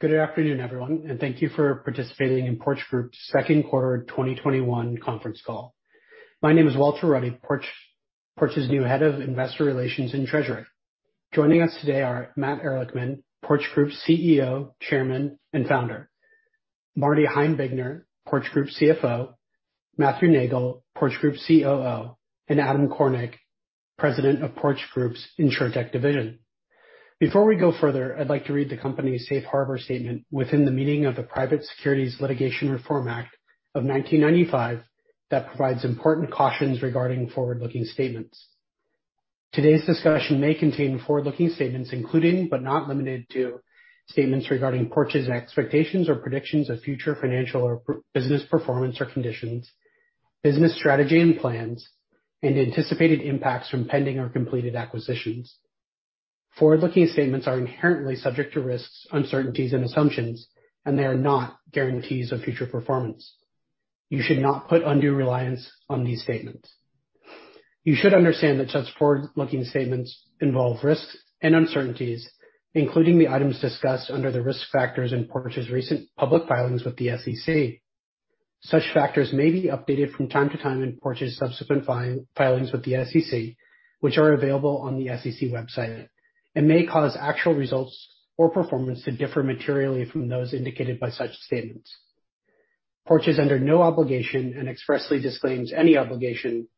Good afternoon, everyone, and thank you for participating in Porch Group's second quarter 2021 conference call. My name is Walter Ruddy, Porch's new head of investor relations and treasury. Joining us today are Matt Ehrlichman, Porch Group's CEO, Chairman, and Founder, Marty Heimbigner, Porch Group CFO, Matthew Neagle, Porch Group COO, and Adam Kornick, President of Porch Group's InsurTech division. Before we go further, I'd like to read the company's Safe Harbor statement within the meaning of the Private Securities Litigation Reform Act of 1995 that provides important cautions regarding forward-looking statements. Today's discussion may contain forward-looking statements, including, but not limited to, statements regarding Porch's expectations or predictions of future financial or business performance or conditions, business strategy and plans, and anticipated impacts from pending or completed acquisitions. Forward-looking statements are inherently subject to risks, uncertainties, and assumptions. They are not guarantees of future performance. You should not put undue reliance on these statements. You should understand that such forward-looking statements involve risks and uncertainties, including the items discussed under the risk factors in Porch's recent public filings with the SEC. Such factors may be updated from time to time in Porch's subsequent filings with the SEC, which are available on the SEC website and may cause actual results or performance to differ materially from those indicated by such statements. Porch is under no obligation and expressly disclaims any obligation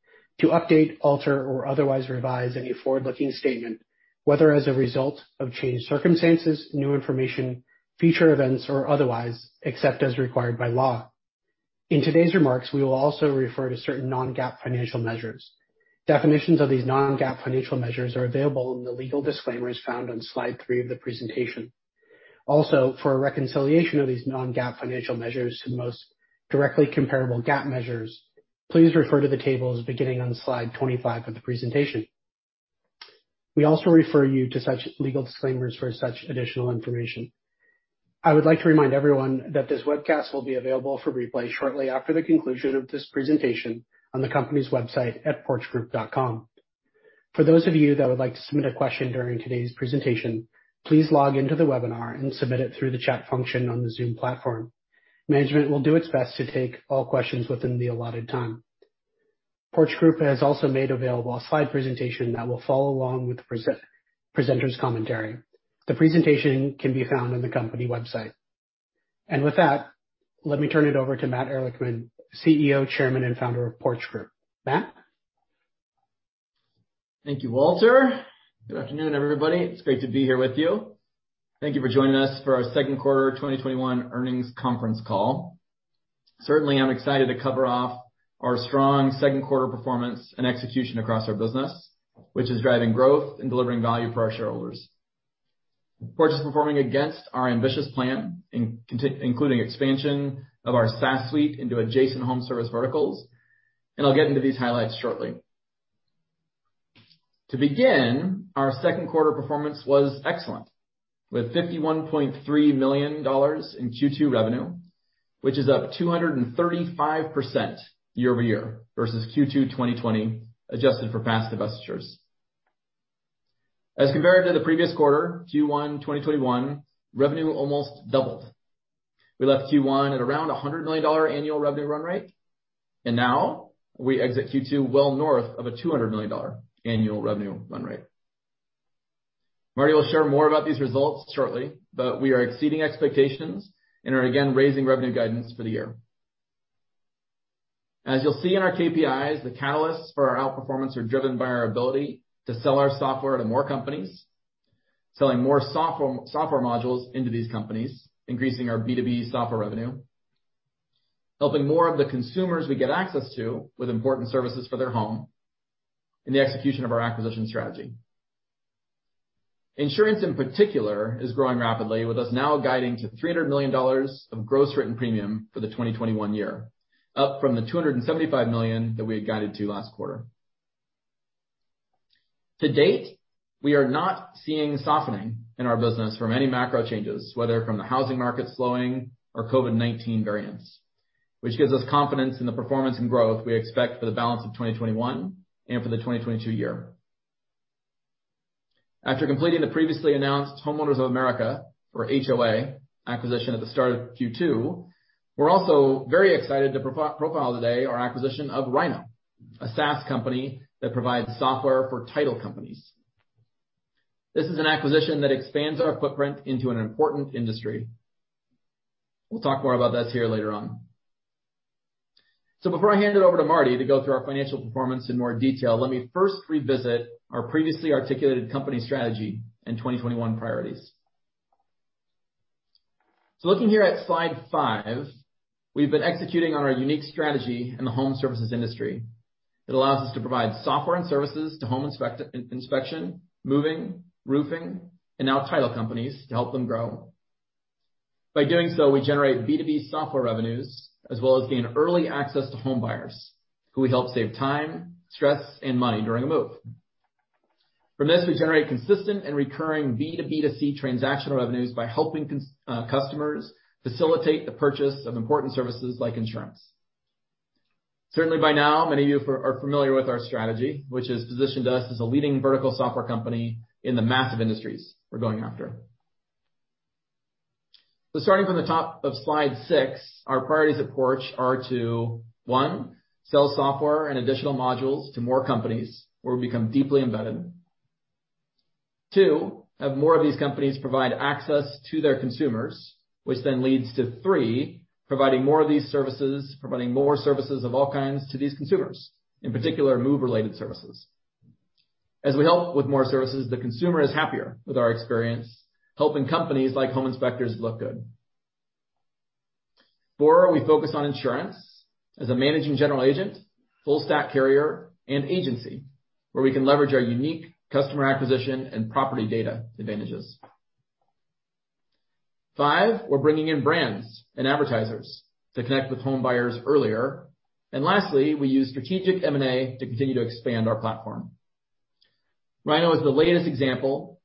to update, alter, or otherwise revise any forward-looking statement, whether as a result of changed circumstances, new information, future events, or otherwise, except as required by law. In today's remarks, we will also refer to certain non-GAAP financial measures. Definitions of these non-GAAP financial measures are available in the legal disclaimers found on Slide 3 of the presentation. For a reconciliation of these non-GAAP financial measures to the most directly comparable GAAP measures, please refer to the tables beginning on Slide 25 of the presentation. We also refer you to such legal disclaimers for such additional information. I would like to remind everyone that this webcast will be available for replay shortly after the conclusion of this presentation on the company's website at porchgroup.com. For those of you that would like to submit a question during today's presentation, please log into the webinar and submit it through the chat function on the Zoom platform. Management will do its best to take all questions within the allotted time. Porch Group has also made available a slide presentation that will follow along with the presenters' commentary. The presentation can be found on the company website. With that, let me turn it over to Matt Ehrlichman, CEO, Chairman, and Founder of Porch Group. Matt? Thank you, Walter. Good afternoon, everybody. It's great to be here with you. Thank you for joining us for our second quarter 2021 earnings conference call. Certainly, I'm excited to cover off our strong second quarter performance and execution across our business, which is driving growth and delivering value for our shareholders. Porch is performing against our ambitious plan, including expansion of our SaaS suite into adjacent home service verticals. I'll get into these highlights shortly. To begin, our second quarter performance was excellent, with $51.3 million in Q2 revenue, which is up 235% year-over-year versus Q2 2020, adjusted for past divestitures. As compared to the previous quarter, Q1 2021, revenue almost doubled. We left Q1 at around $100 million annual revenue run rate. Now we exit Q2 well north of a $200 million annual revenue run rate. Marty will share more about these results shortly, but we are exceeding expectations and are again raising revenue guidance for the year. As you'll see in our KPIs, the catalysts for our outperformance are driven by our ability to sell our software to more companies, selling more software modules into these companies, increasing our B2B software revenue, helping more of the consumers we get access to with important services for their home, and the execution of our acquisition strategy. Insurance, in particular, is growing rapidly, with us now guiding to $300 million of gross written premium for the 2021 year, up from the $275 million that we had guided to last quarter. To-date, we are not seeing softening in our business from any macro changes, whether from the housing market slowing or COVID-19 variants, which gives us confidence in the performance and growth we expect for the balance of 2021 and for the 2022 year. After completing the previously announced Homeowners of America, or HOA, acquisition at the start of Q2, we're also very excited to profile today our acquisition of Rynoh, a SaaS company that provides software for title companies. This is an acquisition that expands our footprint into an important industry. We'll talk more about this here later on. Before I hand it over to Marty to go through our financial performance in more detail, let me first revisit our previously articulated company strategy and 2021 priorities. Looking here at Slide 5, we've been executing on our unique strategy in the home services industry that allows us to provide software and services to home inspection, moving, roofing, and now title companies to help them grow. By doing so, we generate B2B software revenues, as well as gain early access to home buyers who we help save time, stress, and money during a move. From this, we generate consistent and recurring B2B2C transactional revenues by helping customers facilitate the purchase of important services like insurance. Certainly by now, many of you are familiar with our strategy, which has positioned us as a leading vertical software company in the massive industries we're going after. Starting from the top of Slide 6, our priorities at Porch are to, one, sell software and additional modules to more companies or become deeply embedded. Two, have more of these companies provide access to their consumers, which then leads to three, providing more services of all kinds to these consumers, in particular, move-related services. As we help with more services, the consumer is happier with our experience, helping companies like home inspectors look good. Four, we focus on insurance as a managing general agent, full stack carrier, and agency where we can leverage our unique customer acquisition and property data advantages. Five, we're bringing in brands and advertisers to connect with home buyers earlier. Lastly, we use strategic M&A to continue to expand our platform. Rynoh is the latest example,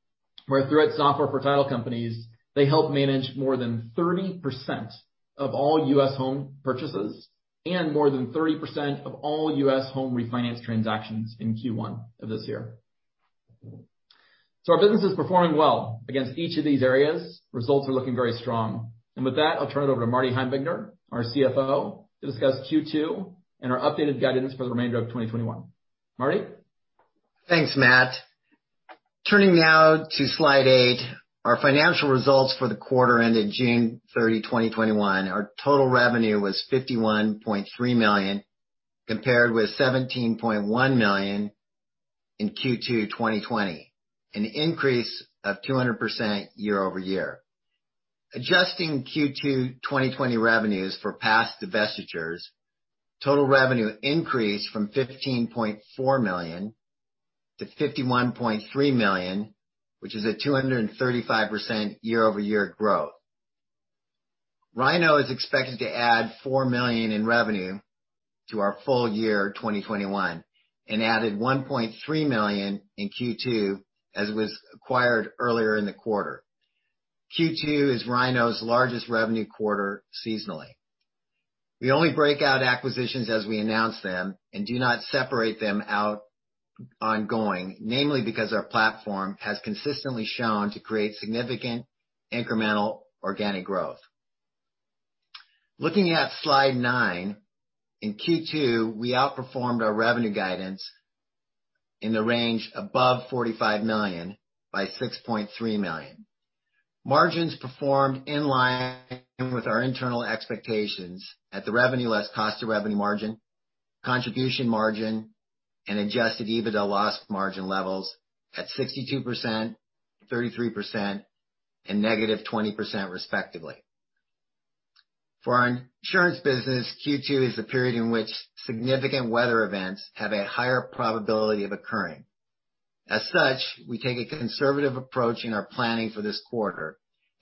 where through its software for title companies, they help manage more than 30% of all U.S. home purchases and more than 30% of all U.S. home refinance transactions in Q1 of this year. Our business is performing well against each of these areas. Results are looking very strong. With that, I'll turn it over to Marty Heimbigner, our CFO, to discuss Q2 and our updated guidance for the remainder of 2021. Marty? Thanks, Matt. Turning now to Slide 8, our financial results for the quarter ended June 30, 2021. Our total revenue was $51.3 million, compared with $17.1 million in Q2 2020, an increase of 200% year-over-year. Adjusting Q2 2020 revenues for past divestitures, total revenue increased from $15.4 million to $51.3 million, which is a 235% year-over-year growth. Rynoh is expected to add $4 million in revenue to our full year 2021 and added $1.3 million in Q2, as it was acquired earlier in the quarter. Q2 is Rynoh's largest revenue quarter seasonally. We only break out acquisitions as we announce them and do not separate them out ongoing, namely because our platform has consistently shown to create significant incremental organic growth. Looking at Slide 9, in Q2, we outperformed our revenue guidance in the range above $45 million by $6.3 million. Margins performed in line with our internal expectations at the revenue less cost of revenue margin, contribution margin, and Adjusted EBITDA loss margin levels at 62%, 33%, and -20% respectively. For our insurance business, Q2 is the period in which significant weather events have a higher probability of occurring. As such, we take a conservative approach in our planning for this quarter.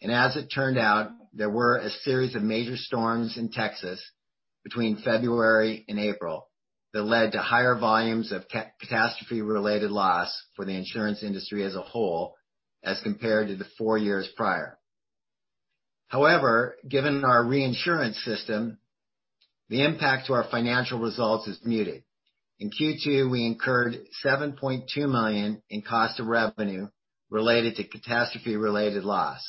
As it turned out, there were a series of major storms in Texas between February and April that led to higher volumes of catastrophe-related loss for the insurance industry as a whole as compared to the four years prior. However, given our reinsurance system, the impact to our financial results is muted. In Q2, we incurred $7.2 million in cost of revenue related to catastrophe-related loss,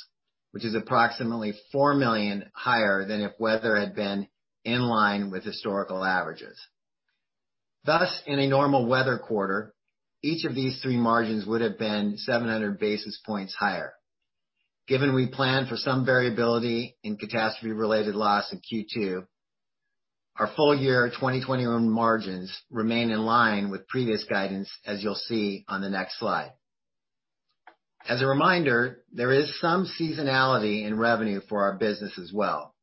which is approximately $4 million higher than if weather had been in line with historical averages. In a normal weather quarter, each of these three margins would have been 700 basis points higher. Given we plan for some variability in catastrophe-related loss in Q2, our full year 2021 margins remain in line with previous guidance, as you'll see on the next slide. As a reminder, there is some seasonality in revenue for our business as well.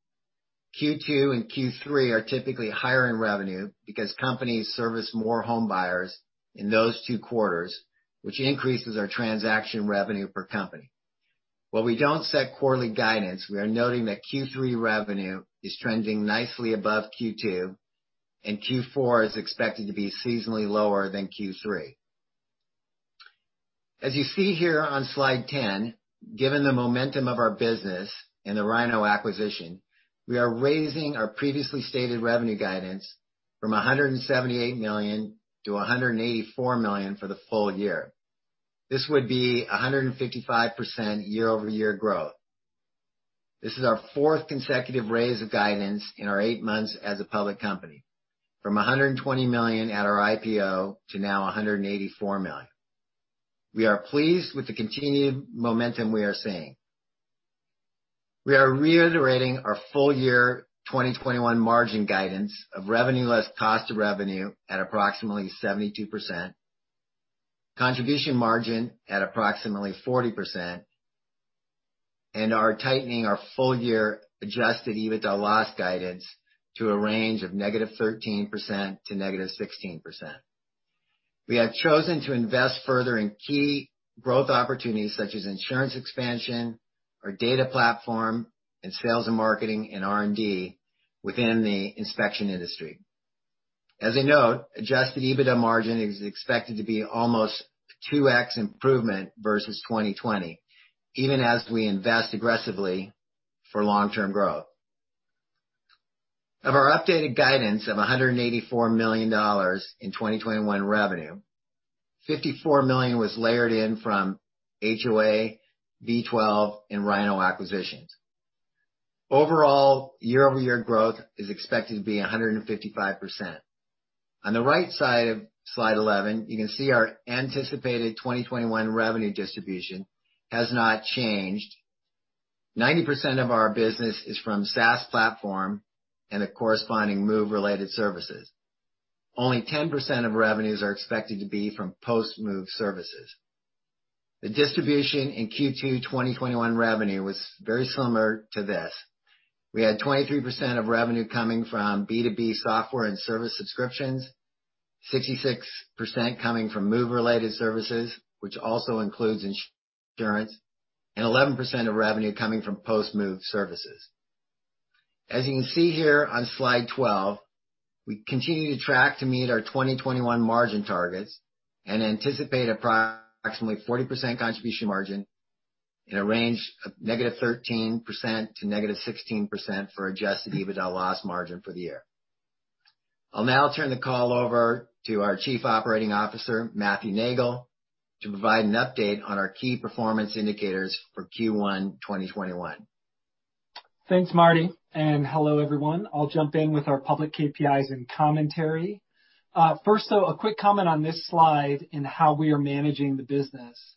Q2 and Q3 are typically higher in revenue because companies service more home buyers in those two quarters, which increases our transaction revenue per company. While we don't set quarterly guidance, we are noting that Q3 revenue is trending nicely above Q2, and Q4 is expected to be seasonally lower than Q3. As you see here on Slide 10, given the momentum of our business and the Rynoh acquisition, we are raising our previously stated revenue guidance from $178 million-$184 million for the full year. This would be 155% year-over-year growth. This is our fourth consecutive raise of guidance in our eight months as a public company, from $120 million at our IPO to now $184 million. We are pleased with the continued momentum we are seeing. We are reiterating our full year 2021 margin guidance of revenue less cost of revenue at approximately 72%, contribution margin at approximately 40%, and are tightening our full year Adjusted EBITDA loss guidance to a range of -13%--16%. We have chosen to invest further in key growth opportunities such as insurance expansion, our data platform, and sales and marketing and R&D within the inspection industry. As a note, Adjusted EBITDA margin is expected to be almost 2x improvement versus 2020, even as we invest aggressively for long-term growth. Of our updated guidance of $184 million in 2021 revenue, $54 million was layered in from HOA, V12, and Rynoh acquisitions. Overall, year-over-year growth is expected to be 155%. On the right side of Slide 11, you can see our anticipated 2021 revenue distribution has not changed. 90% of our business is from SaaS platform and the corresponding move-related services. Only 10% of revenues are expected to be from post-move services. The distribution in Q2 2021 revenue was very similar to this. We had 23% of revenue coming from B2B software and service subscriptions, 66% coming from move-related services, which also includes insurance, and 11% of revenue coming from post-move services. As you can see here on Slide 12, we continue to track to meet our 2021 margin targets and anticipate approximately 40% contribution margin in a range of -13%--16% for Adjusted EBITDA loss margin for the year. I'll now turn the call over to our Chief Operating Officer, Matthew Neagle, to provide an update on our Key Performance Indicators for Q1 2021. Thanks, Marty. Hello, everyone. I'll jump in with our public KPIs and commentary. First, though, a quick comment on this slide and how we are managing the business.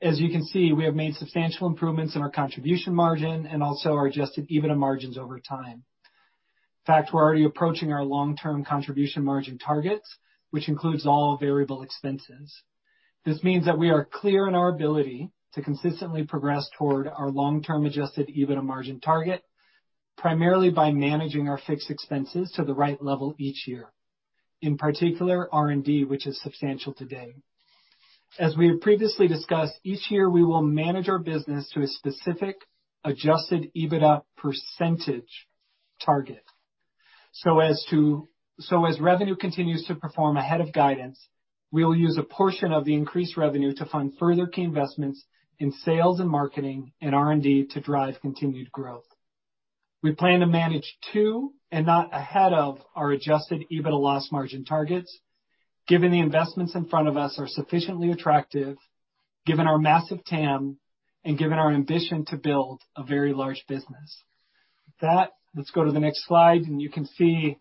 As you can see, we have made substantial improvements in our contribution margin and also our Adjusted EBITDA margins over time. In fact, we're already approaching our long-term contribution margin targets, which includes all variable expenses. This means that we are clear in our ability to consistently progress toward our long-term Adjusted EBITDA margin target, primarily by managing our fixed expenses to the right level each year, in particular R&D, which is substantial today. As we have previously discussed, each year, we will manage our business to a specific Adjusted EBITDA percentage target. As revenue continues to perform ahead of guidance, we will use a portion of the increased revenue to fund further key investments in sales and marketing and R&D to drive continued growth. We plan to manage to, and not ahead of, our Adjusted EBITDA loss margin targets, given the investments in front of us are sufficiently attractive, given our massive TAM, and given our ambition to build a very large business. With that, let's go to the next slide, and you can see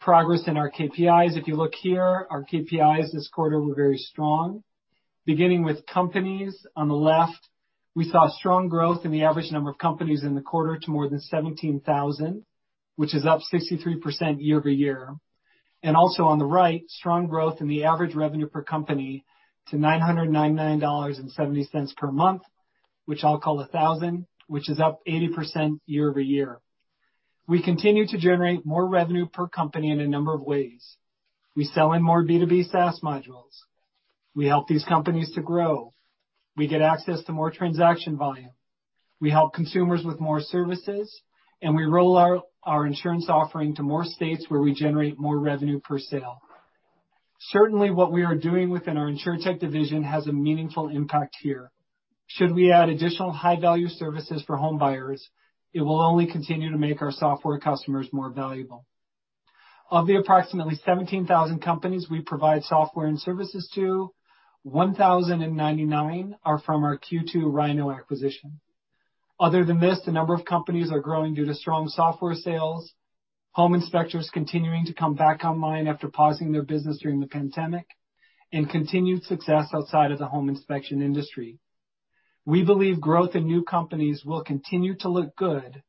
progress in our KPIs. If you look here, our KPIs this quarter were very strong. Beginning with companies on the left, we saw strong growth in the average number of companies in the quarter to more than 17,000, which is up 63% year-over-year. Also on the right, strong growth in the average revenue per company to $999.70 per month, which I'll call $1,000, which is up 80% year-over-year. We continue to generate more revenue per company in a number of ways. We sell in more B2B SaaS modules. We help these companies to grow. We get access to more transaction volume. We help consumers with more services, and we roll out our insurance offering to more states where we generate more revenue per sale. Certainly, what we are doing within our InsurTech division has a meaningful impact here. Should we add additional high-value services for home buyers, it will only continue to make our software customers more valuable. Of the approximately 17,000 companies we provide software and services to, 1,099 are from our Q2 Rynoh acquisition. Other than this, the number of companies are growing due to strong software sales, home inspectors continuing to come back online after pausing their business during the pandemic, and continued success outside of the home inspection industry. We believe growth in new company will continue to look good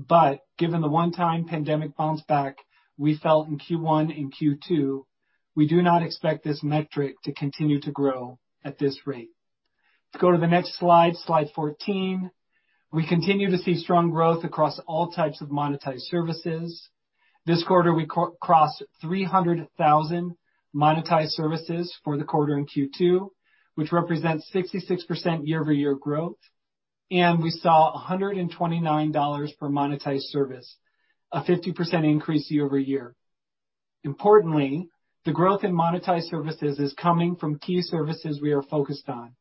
but given the one-time pandemic bounce back we felt in Q1 and Q2, we do not expect this metric to continue to grow at this rate. Let's go to the next Slide 14. We continue to see strong growth across all types of monetized services. This quarter, we crossed 300,000 monetized services for the quarter in Q2, which represents 66% year-over-year growth. We saw $129 per monetized service, a 50% increase year-over-year. Importantly, the growth in monetized services is coming from key services we are focused on,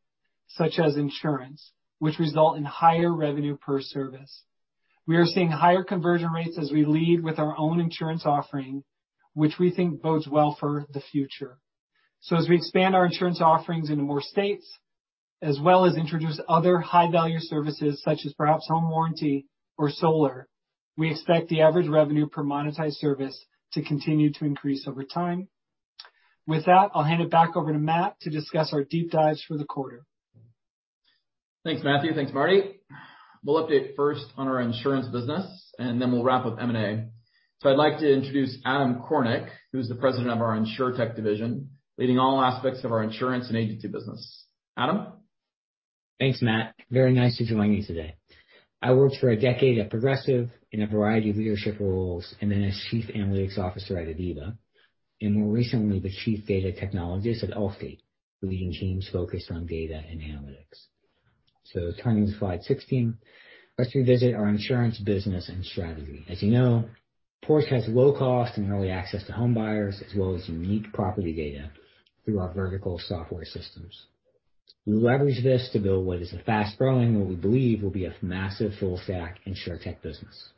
such as insurance, which result in higher revenue per service. We are seeing higher conversion rates as we lead with our own insurance offering, which we think bodes well for the future. As we expand our insurance offerings into more states, as well as introduce other high-value services such as perhaps home warranty or solar, we expect the average revenue per monetized service to continue to increase over time. With that, I'll hand it back over to Matt to discuss our deep dives for the quarter. Thanks, Matthew. Thanks, Marty. We'll update first on our insurance business, and then we'll wrap with M&A. I'd like to introduce Adam Kornick, who's the President of our InsurTech Division, leading all aspects of our insurance and agency business. Adam? Thanks, Matt. Very nice to join you today. I worked for a decade at Progressive in a variety of leadership roles and then as chief analytics officer at Aviva, and more recently, the chief data technologist at Allstate, leading teams focused on data and analytics. Turning to Slide 16, let's revisit our insurance business and strategy. As you know, Porch has low cost and early access to home buyers as well as unique property data through our vertical software systems. We leverage this to build what is a fast-growing and what we believe will be a massive full-stack InsurTech business.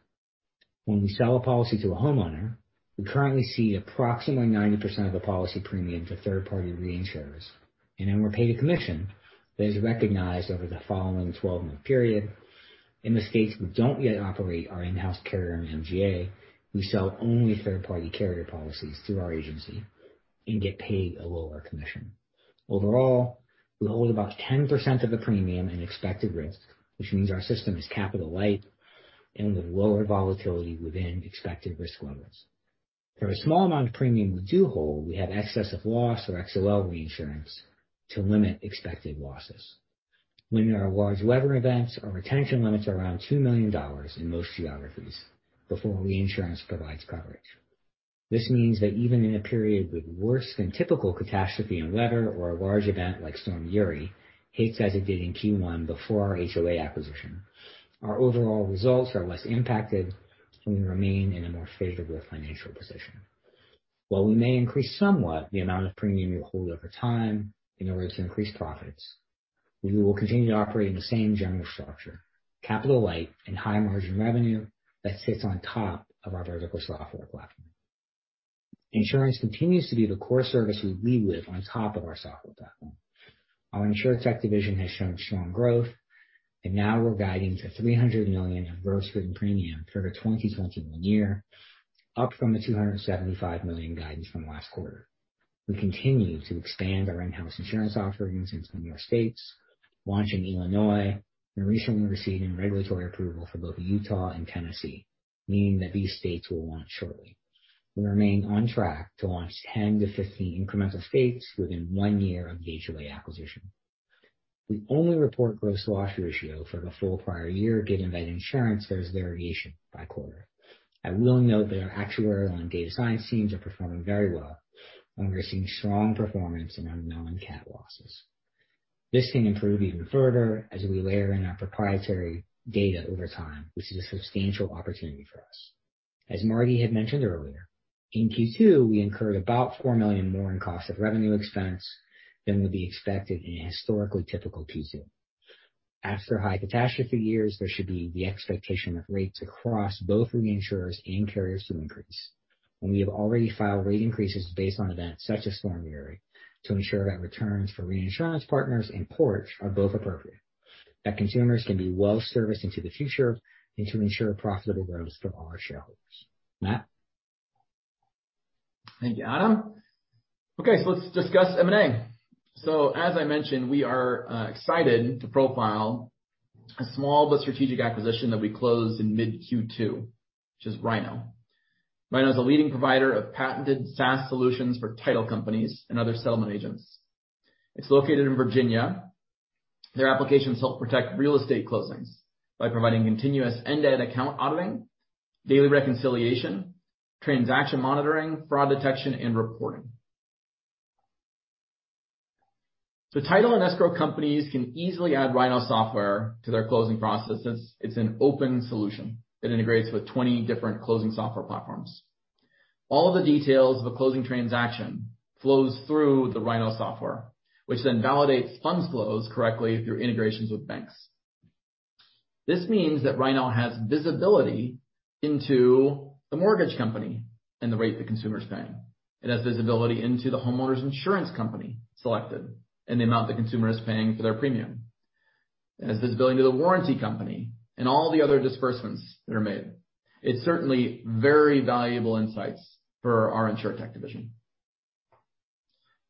When we sell a policy to a homeowner, we currently cede approximately 90% of the policy premium to third-party reinsurers, and then we're paid a commission that is recognized over the following 12-month period. In the states we don't yet operate our in-house carrier, MGA, we sell only third-party carrier policies through our agency and get paid a lower commission. Overall, we hold about 10% of the premium in expected risk, which means our system is capital light and with lower volatility within expected risk levels. For a small amount of premium we do hold, we have excess of loss or XOL reinsurance to limit expected losses. When there are large weather events, our retention limits are around $2 million in most geographies before reinsurance provides coverage. This means that even in a period with worse than typical catastrophe in weather or a large event like Winter Storm Uri hits as it did in Q1 before our HOA acquisition, our overall results are less impacted, and we remain in a more favorable financial position. While we may increase somewhat the amount of premium we hold over time in order to increase profits, we will continue to operate in the same general structure, capital light and high margin revenue that sits on top of our vertical software platform. Insurance continues to be the core service we weave with on top of our software platform. Our insurance division as shown small growth and now we're guiding to $300 million of gross written premium for the 2021, up from the $275 million guidance from last quarter. We continue to expand our in-house insurance offerings in some U.S. states, launch in Illinois. Recently received regulatory approval for both Utah and Tennessee, meaning that these states will launch shortly. We remain on track to launch 10-15 incremental states within one year of the HOA acquisition. We only report gross loss ratio for the full prior year, given that insurance has variation by quarter. I will note that our actuarial and data science teams are performing very well, and we're seeing strong performance in our non-cat losses. This can improve even further as we layer in our proprietary data over time, which is a substantial opportunity for us. As Marty had mentioned earlier, in Q2, we incurred about $4 million more in cost of revenue expense than would be expected in a historically typical Q2. After high catastrophe years, there should be the expectation of rates across both reinsurers and carriers to increase. We have already filed rate increases based on events such as Winter Storm Uri to ensure that returns for reinsurance partners and Porch are both appropriate, that consumers can be well-serviced into the future, and to ensure profitable growth for our shareholders. Matt? Thank you, Adam. Let's discuss M&A. As I mentioned, we are excited to profile a small but strategic acquisition that we closed in mid-Q2, which is Rynoh. Rynoh is a leading provider of patented SaaS solutions for title companies and other settlement agents. It's located in Virginia. Their applications help protect real estate closings by providing continuous end-to-end account auditing, daily reconciliation, transaction monitoring, fraud detection, and reporting. Title and escrow companies can easily add Rynoh software to their closing process, since it's an open solution that integrates with 20 different closing software platforms. All the details of a closing transaction flows through the Rynoh software, which then validates funds flows correctly through integrations with banks. This means that Rynoh has visibility into the mortgage company and the rate the consumer is paying. It has visibility into the homeowner's insurance company selected and the amount the consumer is paying for their premium. It has visibility to the warranty company and all the other disbursements that are made. It's certainly very valuable insights for our InsurTech division.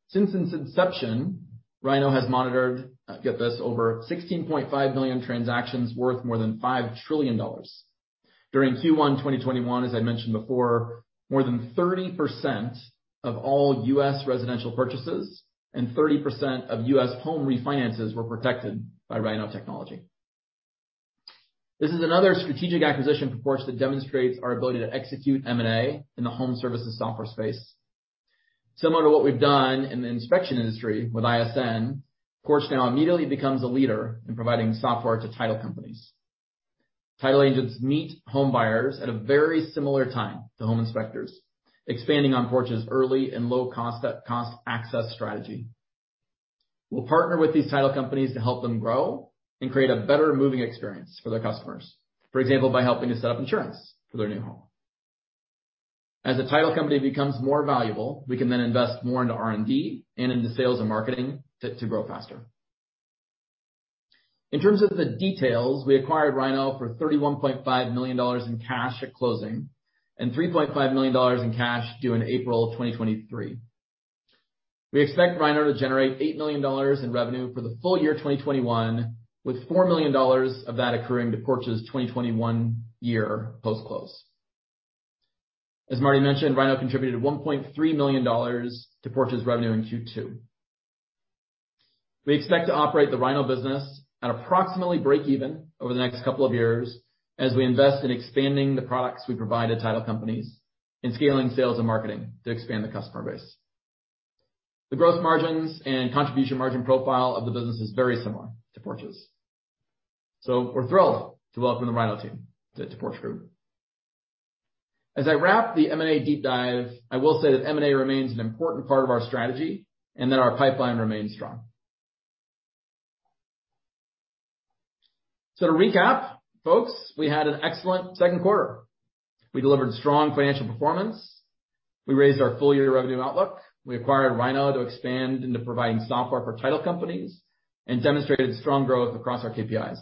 Since its inception, Rynoh has monitored, get this, over $16.5 million transactions worth more than $5 trillion. During Q1 2021, as I mentioned before, more than 30% of all U.S. residential purchases and 30% of U.S. home refinances were protected by Rynoh technology. This is another strategic acquisition for Porch that demonstrates our ability to execute M&A in the home services software space. Similar to what we've done in the inspection industry with ISN, Porch now immediately becomes a leader in providing software to title companies. Title agents meet home buyers at a very similar time to home inspectors, expanding on Porch Group's early and low cost access strategy. We'll partner with these title companies to help them grow and create a better moving experience for their customers. For example, by helping to set up insurance for their new home. As the title company becomes more valuable, we can then invest more into R&D and into sales and marketing to grow faster. In terms of the details, we acquired Rynoh for $31.5 million in cash at closing and $3.5 million in cash due in April 2023. We expect Rynoh to generate $8 million in revenue for the full year 2021, with $4 million of that accruing to Porch Group's 2021 year post-close. As Marty mentioned, Rynoh contributed $1.3 million to Porch Group's revenue in Q2. We expect to operate the Rynoh business at approximately break even over the next couple of years as we invest in expanding the products we provide to title companies and scaling sales and marketing to expand the customer base. The growth margins and contribution margin profile of the business is very similar to Porch's. We're thrilled to welcome the Rynoh team to Porch Group. As I wrap the M&A deep dive, I will say that M&A remains an important part of our strategy and that our pipeline remains strong. To recap, folks, we had an excellent second quarter. We delivered strong financial performance. We raised our full-year revenue outlook. We acquired Rynoh to expand into providing software for title companies and demonstrated strong growth across our KPIs.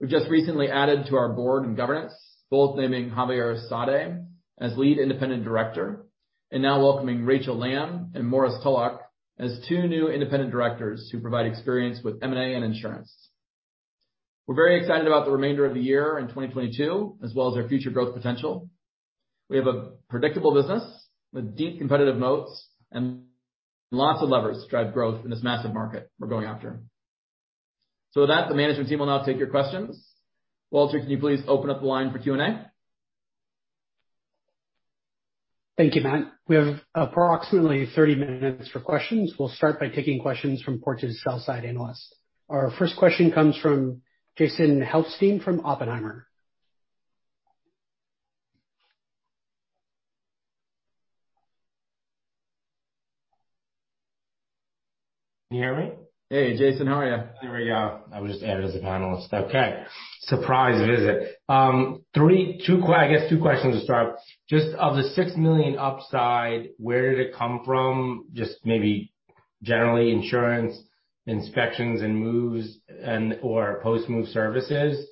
We've just recently added to our board and governance, both naming Javier Saade as lead independent director and now welcoming Rachel Lam and Maurice Tulloch as two new independent directors who provide experience with M&A and insurance. We're very excited about the remainder of the year in 2022, as well as our future growth potential. We have a predictable business with deep competitive moats and lots of levers to drive growth in this massive market we're going after. With that, the management team will now take your questions. Walter, can you please open up the line for Q&A? Thank you, Matt. We have approximately 30 minutes for questions. We'll start by taking questions from Porch's sell-side analysts. Our first question comes from Jason Helfstein from Oppenheimer. Can you hear me? Hey, Jason. How are you? How are you? I was just added as a panelist. Okay. Surprise visit. I guess two questions to start. Just of the $6 million upside, where did it come from? Just maybe generally insurance inspections and moves and/or post-move services.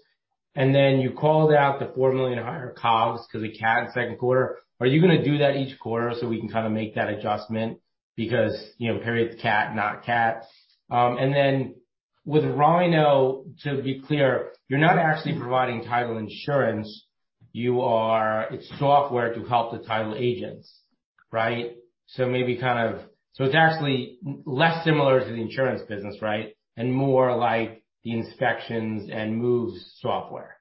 Then you called out the $4 million higher COGS because of cat second quarter. Are you going to do that each quarter so we can make that adjustment? Periods cat, not cat. Then with Rynoh, to be clear, you're not actually providing title insurance. It's software to help the title agents, right? It's actually less similar to the insurance business, right, and more like the inspections and moves software.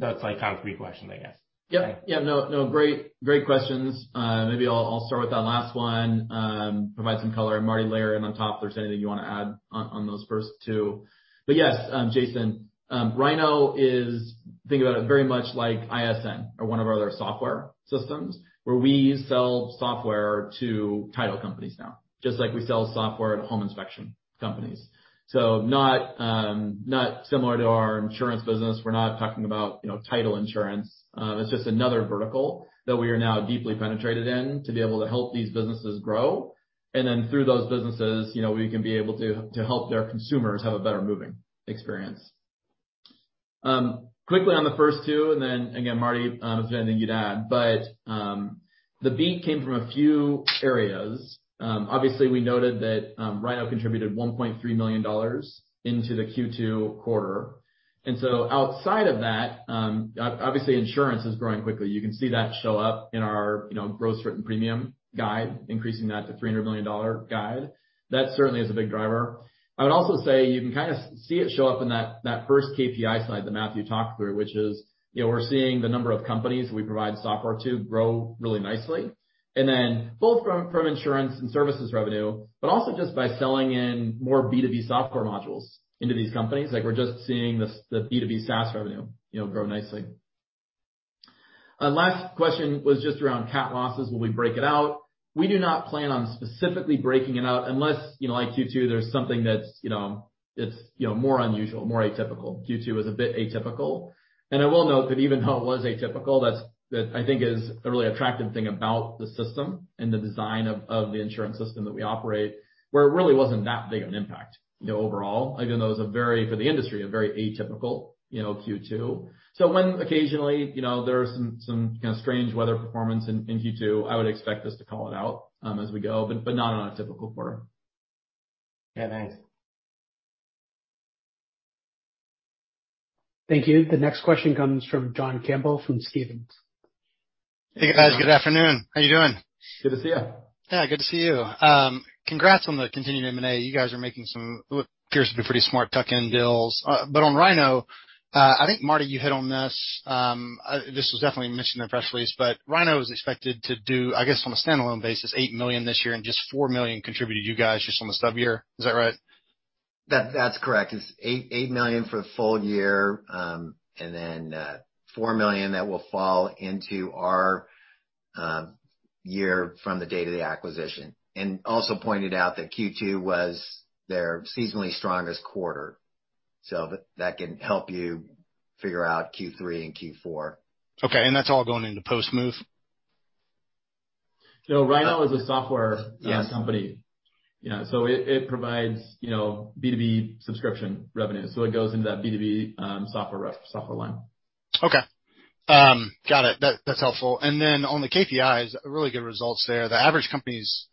That's three questions, I guess. No, great questions. Maybe I'll start with that last one, provide some color, and Marty layer in on top if there's anything you want to add on those first two. Yes, Jason, Rynoh is, think about it very much like ISN or one of our other software systems where we sell software to title companies now, just like we sell software to home inspection companies. Not similar to our insurance business. We're not talking about title insurance. It's just another vertical that we are now deeply penetrated in to be able to help these businesses grow. Through those businesses, we can be able to help their consumers have a better moving experience. Quickly on the first two, and then again, Marty, if there's anything you'd add, but the beat came from a few areas. Obviously, we noted that Rynoh contributed $1.3 million into the Q2 quarter. Outside of that, obviously insurance is growing quickly. You can see that show up in our gross written premium guide, increasing that to $300 million guide. That certainly is a big driver. I would also say you can see it show up in that first KPI slide that Matthew talked through, which is we're seeing the number of companies we provide software to grow really nicely. Then both from insurance and services revenue, but also just by selling in more B2B software modules into these companies, we're just seeing the B2B SaaS revenue grow nicely. Last question was just around cat losses. Will we break it out? We do not plan on specifically breaking it out unless, like Q2, there's something that's more unusual, more atypical. Q2 was a bit atypical. I will note that even though it was atypical, that I think is a really attractive thing about the system and the design of the insurance system that we operate, where it really wasn't that big of an impact overall, even though it was, for the industry, a very atypical Q2. When occasionally there are some strange weather performance in Q2, I would expect us to call it out as we go, but not on a typical quarter. Yeah, thanks. Thank you. The next question comes from John Campbell from Stephens. Hey, guys. Good afternoon. How you doing? Good to see you. Yeah, good to see you. Congrats on the continued M&A. You guys are making some what appears to be pretty smart tuck-in deals. On Rynoh, I think, Marty, you hit on this. This was definitely mentioned in the press release, but Rynoh is expected to do, I guess on a standalone basis, $8 million this year and just $4 million contributed to you guys just on the sub year. Is that right? That's correct. It's $8 million for the full year, and then $4 million that will fall into our year from the date of the acquisition. Also pointed out that Q2 was their seasonally strongest quarter. That can help you figure out Q3 and Q4. Okay, that's all going into Postmove? Rynoh is a software company. It provides B2B subscription revenue. It goes into that B2B software line. Okay. Got it. That's helpful. On the KPIs, really good results there. The average companies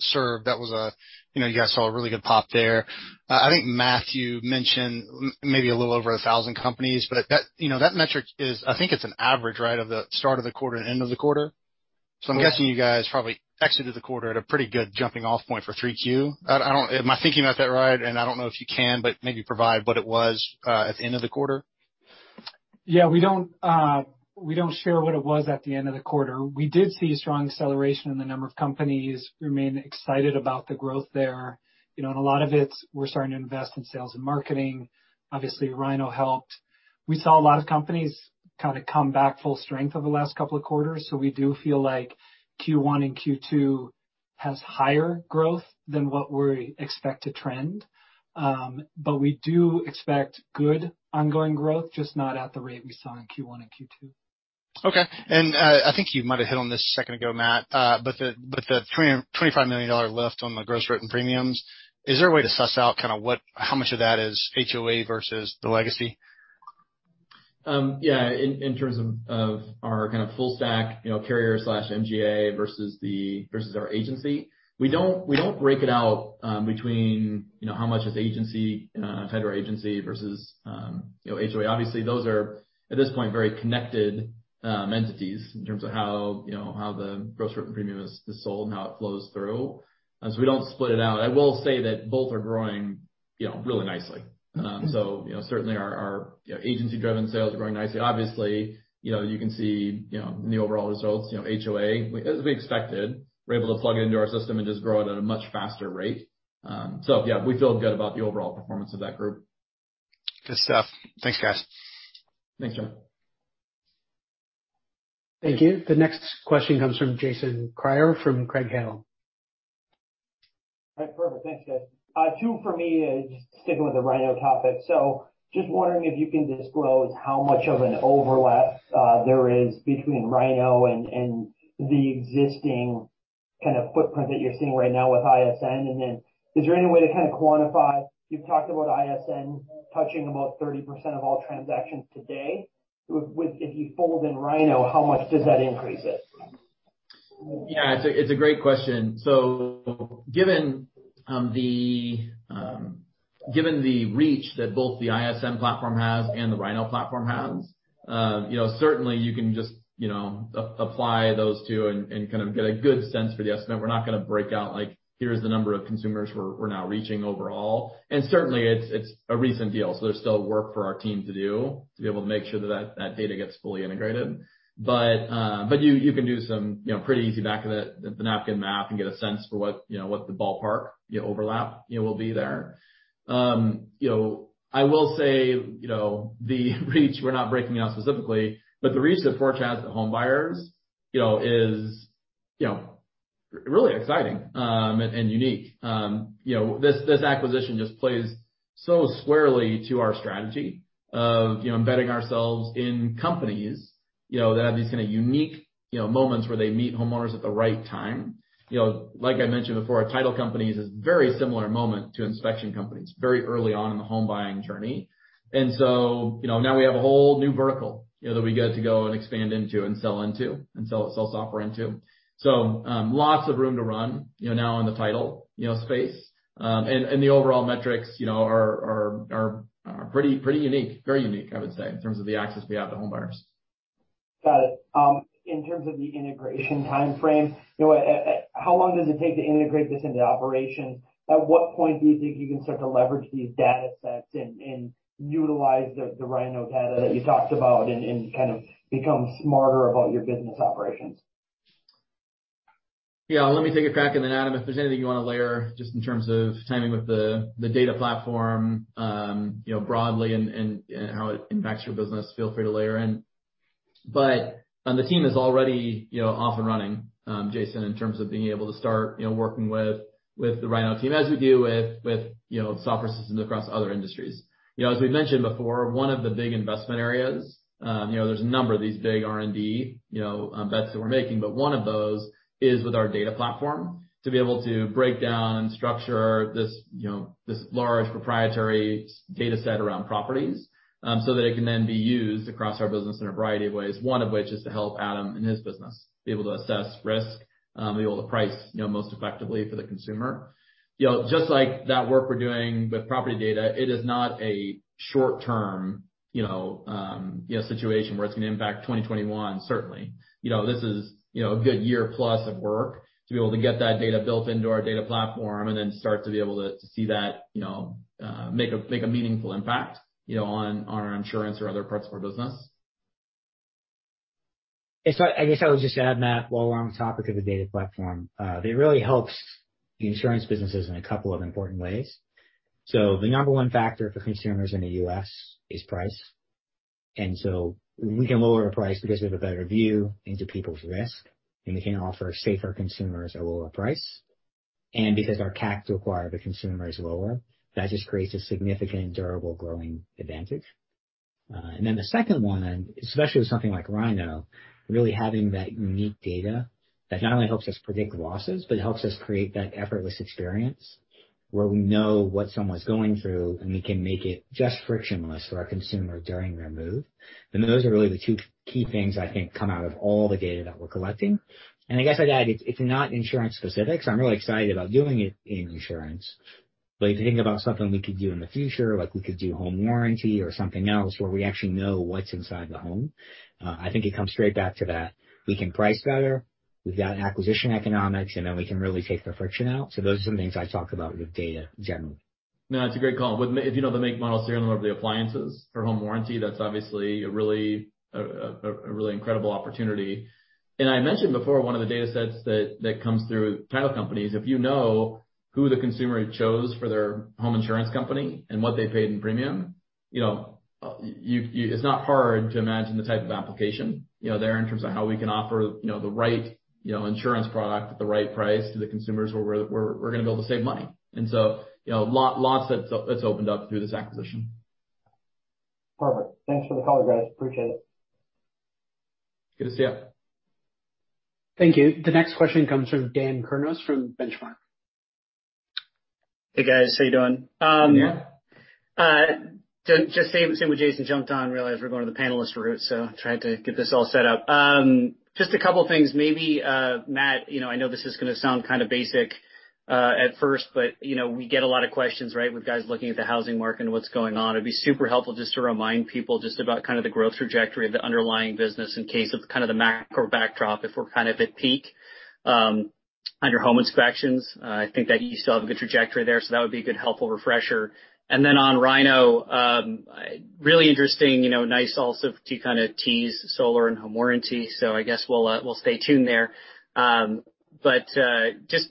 served, you guys saw a really good pop there. I think Matthew mentioned maybe a little over 1,000 companies, but that metric is, I think it's an average, right, of the start of the quarter and end of the quarter? I'm guessing you guys probably exited the quarter at a pretty good jumping-off point for Q3. Am I thinking about that right? I don't know if you can, but maybe provide what it was at the end of the quarter. Yeah, we don't share what it was at the end of the quarter. We did see strong acceleration in the number of companies. Remain excited about the growth there. A lot of it, we're starting to invest in sales and marketing. Obviously, Rynoh helped. We saw a lot of companies come back full strength over the last couple of quarters. We do feel like Q1 and Q2 has higher growth than what we expect to trend. We do expect good ongoing growth, just not at the rate we saw in Q1 and Q2. Okay. I think you might've hit on this a second ago, Matt, but the $25 million left on the gross written premiums, is there a way to suss out how much of that is HOA versus the legacy? Yeah. In terms of our full stack carrier/MGA versus our agency, we don't break it out between how much is fed or agency versus HOA. Obviously, those are, at this point, very connected entities in terms of how the gross written premium is sold and how it flows through, so we don't split it out. I will say that both are growing really nicely. Certainly our agency-driven sales are growing nicely. Obviously, you can see in the overall results, HOA, as we expected, we're able to plug it into our system and just grow it at a much faster rate. Yeah, we feel good about the overall performance of that group. Good stuff. Thanks, guys. Thanks you. Thank you. The next question comes from Jason Kreyer from Craig-Hallum. All right. Perfect. Thanks, guys. Two for me, just sticking with the Rynoh topic. Just wondering if you can disclose how much of an overlap there is between Rynoh and the existing kind of footprint that you're seeing right now with ISN. Is there any way to kind of quantify, you've talked about ISN touching about 30% of all transactions today. If you fold in Rynoh, how much does that increase it? Yeah. It's a great question. Given the reach that both the ISN platform has and the Rynoh platform has, certainly you can just apply those two and kind of get a good sense for the estimate. We're not going to break out like, here's the number of consumers we're now reaching overall. Certainly, it's a recent deal, so there's still work for our team to do to be able to make sure that that data gets fully integrated. You can do some pretty easy back of the napkin math and get a sense for what the ballpark overlap will be there. I will say, the reach, we're not breaking out specifically, but the reach that Porch has to homebuyers is really exciting and unique. This acquisition just plays so squarely to our strategy of embedding ourselves in companies that have these kind of unique moments where they meet homeowners at the right time. Like I mentioned before, title companies is a very similar moment to inspection companies, very early on in the home buying journey. Now we have a whole new vertical that we get to go and expand into and sell into, and sell software into. Lots of room to run now in the title space. The overall metrics are very unique, I would say, in terms of the access we have to homebuyers. Got it. In terms of the integration timeframe, how long does it take to integrate this into operations? At what point do you think you can start to leverage these data sets and utilize the Rynoh data that you talked about and kind of become smarter about your business operations? Yeah. Let me take a crack, and then Adam, if there's anything you want to layer just in terms of timing with the data platform broadly and how it impacts your business, feel free to layer in. The team is already off and running, Jason, in terms of being able to start working with the Rynoh team, as we do with software systems across other industries. As we've mentioned before, one of the big investment areas, there's a number of these big R&D bets that we're making, but one of those is with our data platform to be able to break down and structure this large proprietary data set around properties so that it can then be used across our business in a variety of ways, one of which is to help Adam and his business be able to assess risk, be able to price most effectively for the consumer. Just like that work we're doing with property data, it is not a short-term situation where it's going to impact 2021, certainly. This is a good year plus of work to be able to get that data built into our data platform and then start to be able to see that make a meaningful impact on our insurance or other parts of our business. I guess I would just add, Matt, while we're on the topic of the data platform, it really helps the insurance businesses in a couple of important ways. The number one factor for consumers in the U.S. is price. We can lower a price because we have a better view into people's risk, and we can offer safer consumers a lower price. Because our CAC to acquire the consumer is lower, that just creates a significant, durable, growing advantage. The second one, especially with something like Rynoh, really having that unique data that not only helps us predict losses, but helps us create that effortless experience where we know what someone's going through, and we can make it just frictionless for our consumer during their move. Those are really the two key things I think come out of all the data that we're collecting. I guess I'd add, it's not insurance specific, so I'm really excited about doing it in insurance. If you think about something we could do in the future, like we could do home warranty or something else where we actually know what's inside the home, I think it comes straight back to that. We can price better, we've got acquisition economics, and then we can really take the friction out. Those are some things I talk about with data generally. No, that's a great call. If you know the make, model, serial number of the appliances for home warranty, that's obviously a really incredible opportunity. I mentioned before, one of the data sets that comes through title companies, if you know who the consumer chose for their home insurance company and what they paid in premium, it's not hard to imagine the type of application there in terms of how we can offer the right insurance product at the right price to the consumers where we're going to be able to save money. So, lots that's opened up through this acquisition. Perfect. Thanks for the color, guys. Appreciate it. Good to see you. Thank you. The next question comes from Dan Kurnos from Benchmark. Hey, guys. How you doing? Hey, Dan. Just same with Jason, jumped on, realized we're going to the panelist route, so tried to get this all set up. Just a couple of things. Maybe, Matt, I know this is going to sound kind of basic at first, but we get a lot of questions, right, with guys looking at the housing market and what's going on. It'd be super helpful just to remind people just about kind of the growth trajectory of the underlying business in case of kind of the macro backdrop, if we're kind of at peak on your home inspections. I think that you still have a good trajectory there, so that would be a good, helpful refresher. Then on Rynoh, really interesting, nice also to kind of tease solar and home warranty. I guess we'll stay tuned there. Just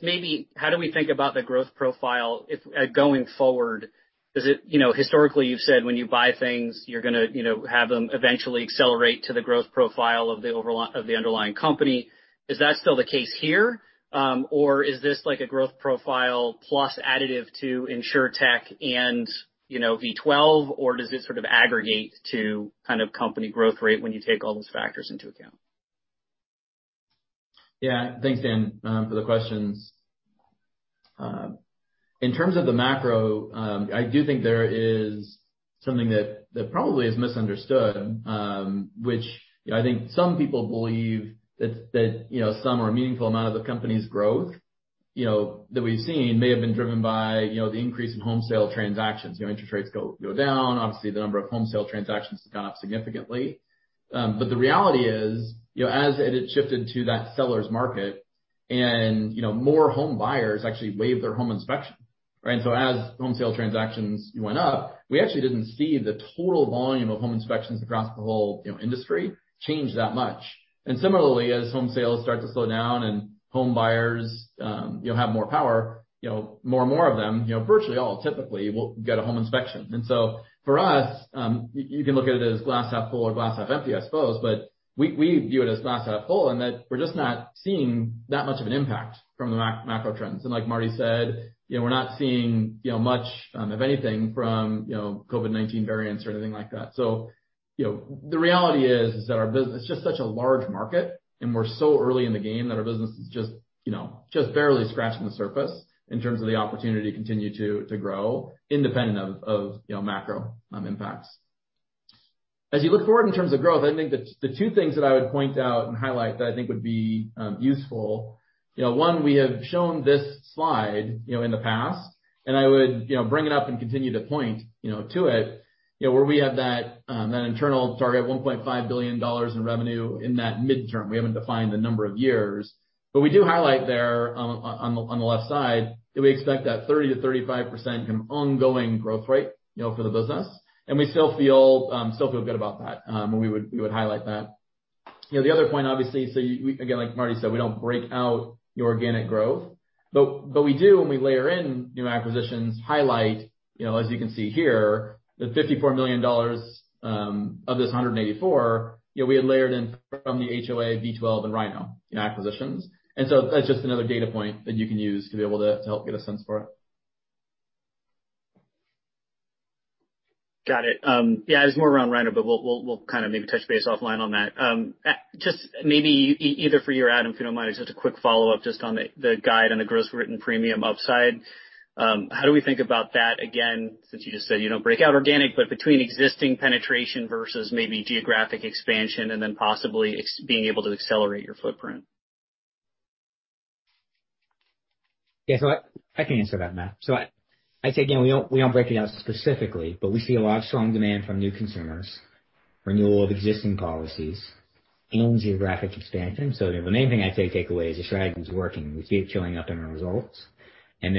maybe how do we think about the growth profile going forward? Historically, you've said when you buy things, you're going to have them eventually accelerate to the growth profile of the underlying company. Is that still the case here or is this like a growth profile plus additive to InsurTech and V12? Or does this sort of aggregate to kind of company growth rate when you take all those factors into account? Thanks, Dan, for the questions. In terms of the macro, I do think there is something that probably is misunderstood, which I think some people believe that some or a meaningful amount of the company's growth that we've seen may have been driven by the increase in home sale transactions. Interest rates go down, obviously the number of home sale transactions has gone up significantly. The reality is, as it had shifted to that seller's market and more home buyers actually waived their home inspection, right? As home sale transactions went up, we actually didn't see the total volume of home inspections across the whole industry change that much. Similarly, as home sales start to slow down and home buyers have more power, more and more of them, virtually all typically, will get a home inspection. For us, you can look at it as glass half full or glass half empty, I suppose, but we view it as glass half full in that we're just not seeing that much of an impact from the macro trends. Like Marty said, we're not seeing much of anything from COVID-19 variants or anything like that. The reality is that it's just such a large market, and we're so early in the game that our business is just barely scratching the surface in terms of the opportunity to continue to grow independent of macro impacts. As you look forward in terms of growth, I think the two things that I would point out and highlight that I think would be useful. One, we have shown this slide in the past, and I would bring it up and continue to point to it, where we have that internal target of $1.5 billion in revenue in that midterm. We haven't defined the number of years. We do highlight there on the left side that we expect that 30%-35% kind of ongoing growth rate for the business. We still feel good about that. We would highlight that. The other point, obviously, again, like Marty said, we don't break out the organic growth, but we do when we layer in new acquisitions, highlight, as you can see here, the $54 million of this 184, we had layered in from the HOA, V12, and Rynoh acquisitions. That's just another data point that you can use to be able to help get a sense for it. Got it. Yeah, it was more around Rynoh, but we'll kind of maybe touch base offline on that. Just maybe either for you or Adam, if you don't mind, just a quick follow-up just on the guide on the gross written premium upside. How do we think about that, again, since you just said you don't break out organic, but between existing penetration versus maybe geographic expansion and then possibly being able to accelerate your footprint? Yeah. I can answer that, Matt. I'd say, again, we don't break it out specifically, but we see a lot of strong demand from new consumers, renewal of existing policies, and geographic expansion. The main thing I'd say take away is the strategy is working. We see it showing up in our results. What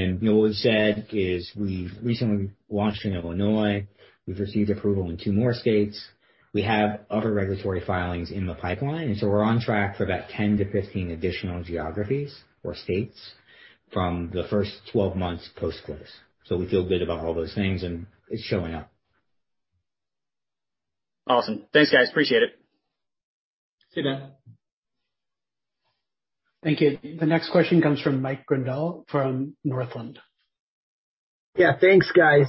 we've said is we've recently launched in Illinois. We've received approval in two more states. We have other regulatory filings in the pipeline, we're on track for about 10-15 additional geographies or states from the first 12 months post-close. We feel good about all those things, and it's showing up. Awesome. Thanks, guys. Appreciate it. See you, Dan. Thank you. The next question comes from Mike Grondahl from Northland. Yeah. Thanks, guys.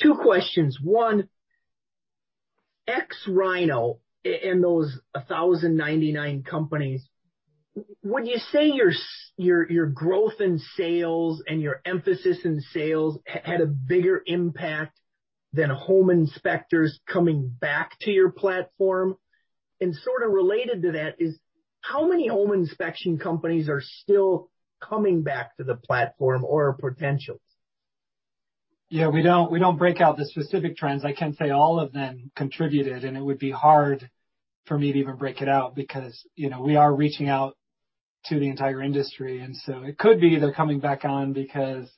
Two questions. One, ex Rynoh, in those 1,099 companies, would you say your growth in sales and your emphasis in sales had a bigger impact than home inspectors coming back to your platform? Sort of related to that is, how many home inspection companies are still coming back to the platform or are potentials? We don't break out the specific trends. I can say all of them contributed, and it would be hard for me to even break it out because we are reaching out to the entire industry, and so it could be they're coming back on because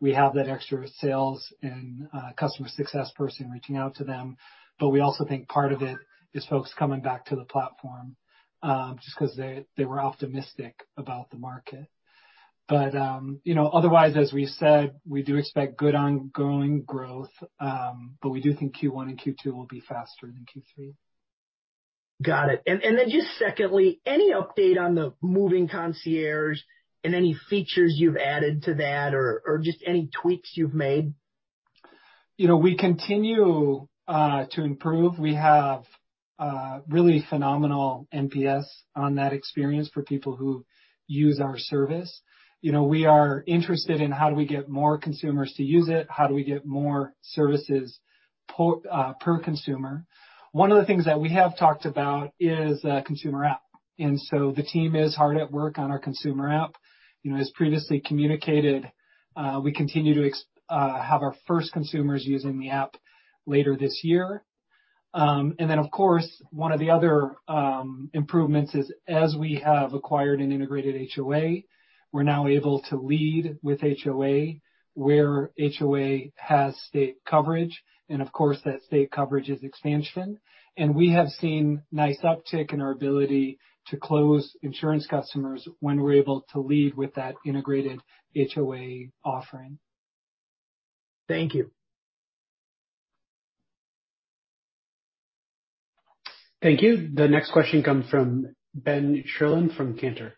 we have that extra sales and customer success person reaching out to them. We also think part of it is folks coming back to the platform, just because they were optimistic about the market. Otherwise, as we said, we do expect good ongoing growth, but we do think Q1 and Q2 will be faster than Q3. Got it. Just secondly, any update on the moving concierge and any features you've added to that, or just any tweaks you've made? We continue to improve. We have really phenomenal NPS on that experience for people who use our service. We are interested in how do we get more consumers to use it? How do we get more services per consumer? One of the things that we have talked about is a consumer app. The team is hard at work on our consumer app. As previously communicated, we continue to have our first consumers using the app later this year. Of course, one of the other improvements is as we have acquired and integrated HOA, we're now able to lead with HOA where HOA has state coverage, and of course, that state coverage is expansion. We have seen nice uptick in our ability to close insurance customers when we're able to lead with that integrated HOA offering. Thank you. Thank you. The next question comes from Ben Sherlund from Cantor.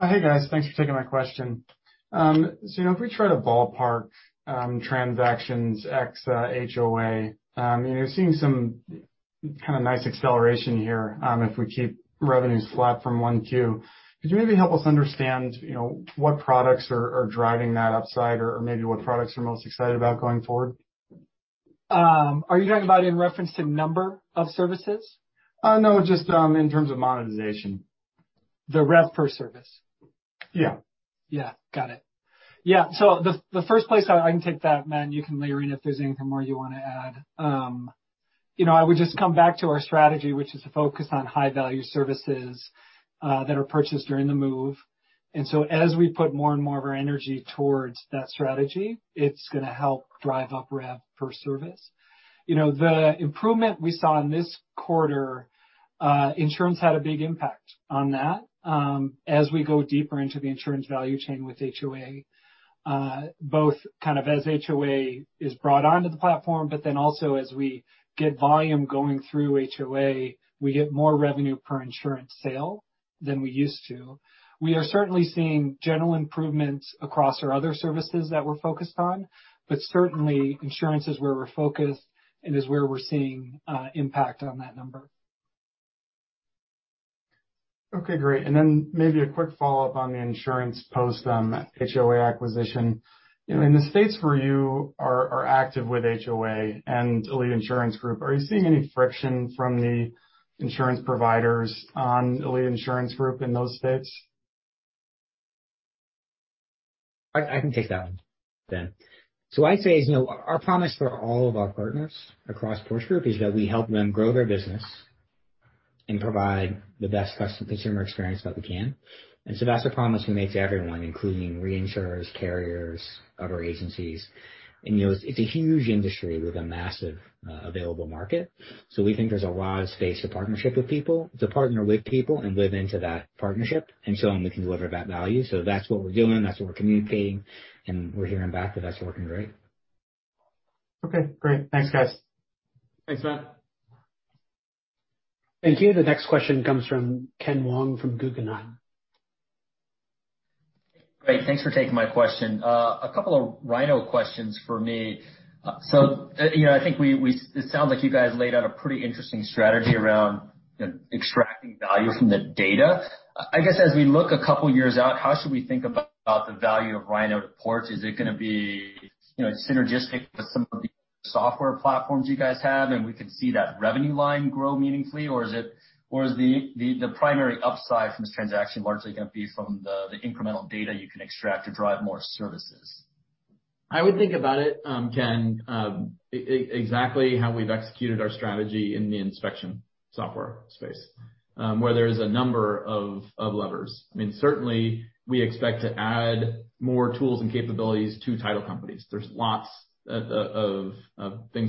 Hey, guys. Thanks for taking my question. If we try to ballpark transactions ex HOA, you're seeing some kind of nice acceleration here if we keep revenues flat from Q1. Could you maybe help us understand what products are driving that upside or maybe what products you're most excited about going forward? Are you talking about in reference to number of services? No, just in terms of monetization. The rev per service. Yeah. Yeah. Got it. Yeah. The first place I can take that, Ben, you can layer in if there's anything more you want to add. As we put more and more of our energy towards that strategy, it's going to help drive up rev per service. The improvement we saw in this quarter, insurance had a big impact on that. As we go deeper into the insurance value chain with HOA, both kind of as HOA is brought onto the platform, but then also as we get volume going through HOA, we get more revenue per insurance sale than we used to. We are certainly seeing general improvements across our other services that we're focused on, but certainly insurance is where we're focused and is where we're seeing impact on that number. Okay, great. Maybe a quick follow-up on the insurance post HOA acquisition. In the states where you are active with HOA and Elite Insurance Group, are you seeing any friction from the insurance providers on Elite Insurance Group in those states? I can take that one, Ben. I say is our promise for all of our partners across Porch Group is that we help them grow their business and provide the best customer experience that we can. That's a promise we make to everyone, including reinsurers, carriers, other agencies. It's a huge industry with a massive available market. We think there's a lot of space to partnership with people, to partner with people and live into that partnership and show them we can deliver that value. That's what we're doing, that's what we're communicating, and we're hearing back that that's working great. Okay, great. Thanks, guys. Thanks, Ben. Thank you. The next question comes from Ken Wong from Guggenheim. Great. Thanks for taking my question. A couple of Rynoh questions for me. I think it sounds like you guys laid out a pretty interesting strategy around extracting value from the data. I guess as we look a couple of years out, how should we think about the value of Rynoh to Porch? Is it going to be synergistic with some of the software platforms you guys have, and we can see that revenue line grow meaningfully or is the primary upside from this transaction largely going to be from the incremental data you can extract to drive more services? I would think about it, Ken, exactly how we've executed our strategy in the inspection software space, where there's a number of levers. I mean, certainly we expect to add more tools and capabilities to title companies. There's lots of things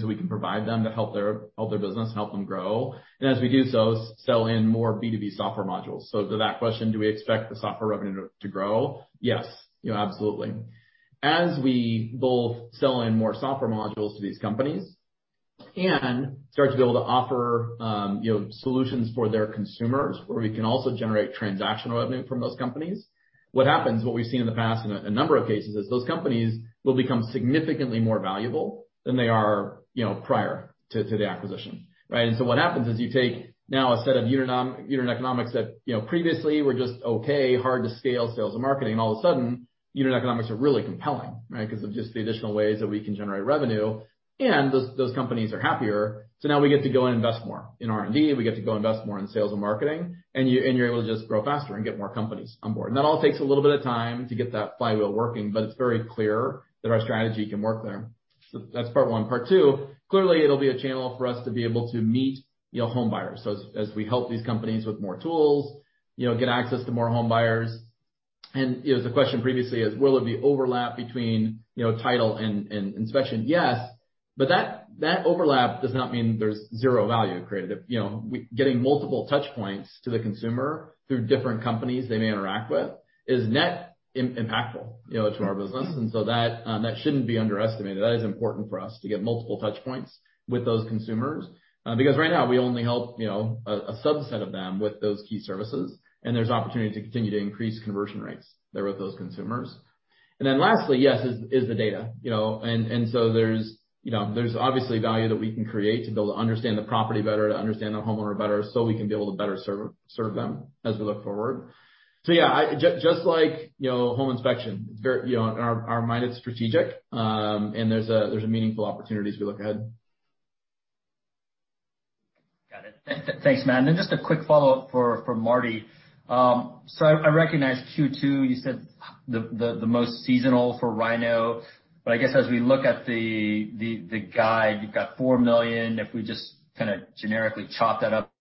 that we can provide them to help their business and help them grow. As we do so, sell in more B2B software modules. To that question, do we expect the software revenue to grow? Yes. Absolutely. As we both sell in more software modules to these companies and start to be able to offer solutions for their consumers, where we can also generate transactional revenue from those companies, what happens, what we've seen in the past in a number of cases, is those companies will become significantly more valuable than they are prior to the acquisition, right? What happens is you take now a set of unit economics that previously were just okay, hard to scale sales and marketing, and all of a sudden, unit economics are really compelling, right? Because of just the additional ways that we can generate revenue, and those companies are happier. Now we get to go and invest more in R&D. We get to go invest more in sales and marketing, and you're able to just grow faster and get more companies on board. That all takes a little bit of time to get that flywheel working, but it's very clear that our strategy can work there. That's part one. Part two, clearly, it'll be a channel for us to be able to meet home buyers. As we help these companies with more tools, get access to more home buyers. The question previously is, will there be overlap between title and inspection? Yes, but that overlap does not mean there's zero value created. Getting multiple touch points to the consumer through different companies they may interact with is net impactful to our business. That shouldn't be underestimated. That is important for us to get multiple touch points with those consumers. Because right now we only help a subset of them with those key services, and there's opportunity to continue to increase conversion rates there with those consumers. Lastly, yes, is the data. There's obviously value that we can create to be able to understand the property better, to understand our homeowner better, so we can be able to better serve them as we look forward. Yeah, just like home inspection, in our mind it's strategic, and there's a meaningful opportunity as we look ahead. Got it. Thanks, Matt. Just a quick follow-up for Marty. I recognize Q2, you said the most seasonal for Rynoh, but I guess as we look at the guide, you've got $4 million. If we just generically chop that up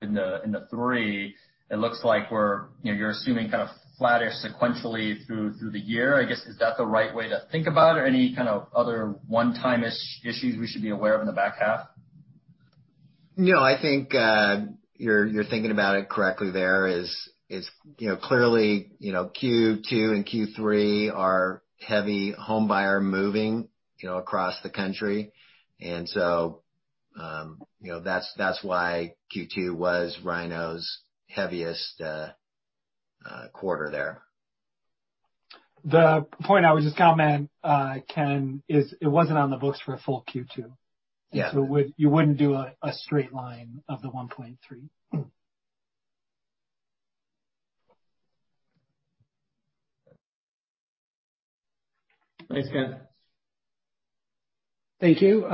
in the three, it looks like you're assuming flatter sequentially through the year. I guess, is that the right way to think about it, or any kind of other one-time issues we should be aware of in the back half? No, I think you're thinking about it correctly there is clearly Q2 and Q3 are heavy home buyer moving across the country. That's why Q2 was Rynoh's heaviest quarter there. The point I would just comment, Ken, is it wasn't on the books for a full Q2. Yeah. You wouldn't do a straight line of the 1.3. Thanks, Ken. Thank you.